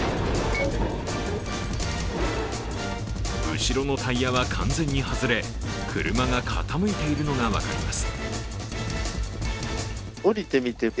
後ろのタイヤは完全に外れ車が傾いているのが分かります。